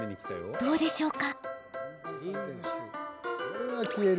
どうでしょうか？